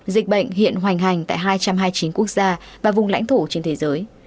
dịch bệnh hiện hoành hành tại hai trăm hai mươi chín quốc gia và vùng lãnh thổ trên thế giới